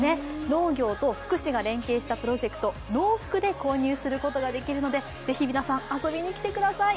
農業と福祉が連携したプロジェクト、ノウフクで購入することができるのでぜひ皆さん遊びに来てください。